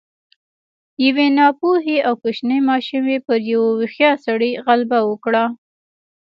يوې ناپوهې او کوچنۍ ماشومې پر يوه هوښيار سړي غلبه وکړه.